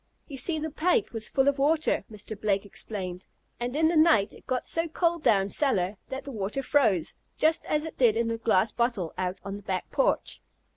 "You see the pipe was full of water," Mr. Blake explained, "and in the night it got so cold down cellar that the water froze, just as it did in the glass bottle out on the back porch.